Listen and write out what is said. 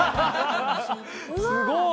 すごい！